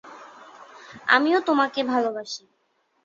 আমিও তোমাকে ভালোবাসি।